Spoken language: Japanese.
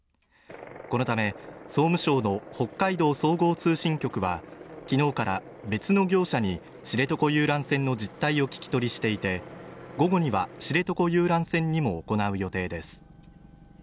このため総務省の北海道総合通信局は昨日から別の業者に知床遊覧船の実態を聞き取りしていて午後には知床遊覧船にも行う予定です